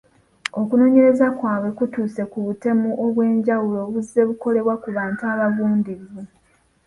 Okunoonyereza kwabwe we kutuuse ku butemu obwenjawulo obuzze bukolebwa ku bantu abagundiivu.